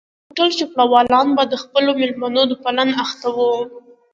د هوټل چوپړوالان به د خپلو مېلمنو په پالنه اخته وو.